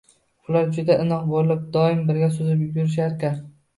Ular juda inoq bo‘lib, doim birga suzib yurisharkan